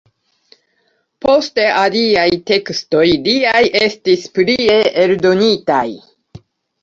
Poste aliaj tekstoj liaj estis plie eldonitaj.